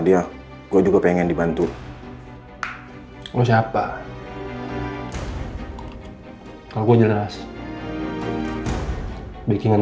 dia udah dibawa pergi